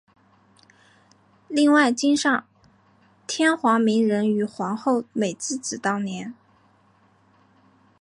另外今上天皇明仁与皇后美智子当年。